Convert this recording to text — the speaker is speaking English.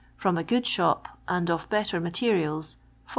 from a good shop, and of better materials, 405.